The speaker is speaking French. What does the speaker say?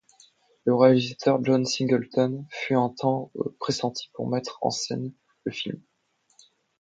Le réalisateur John Singleton fut un temps pressenti pour mettre en scène le film.